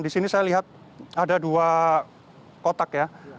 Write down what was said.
di sini saya lihat ada dua kotak ya